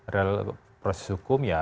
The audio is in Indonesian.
rel proses hukum ya